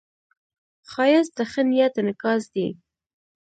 ښایست د ښه نیت انعکاس دی